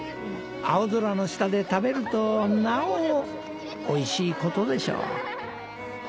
青空の下で食べるとなおおいしい事でしょう。